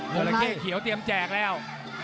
เวลาแข้งเขียวเตรียมแจกแล้ว